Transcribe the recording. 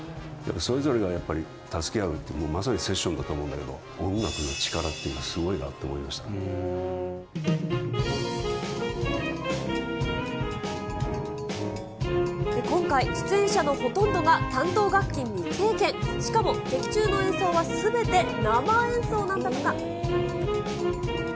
それぞれがやっぱり助け合うって、まさにセッションだと思うんだけど、音楽の力っていうの今回、出演者のほとんどが担当楽器未経験、しかも、劇中の演奏はすべて生演奏なんだとか。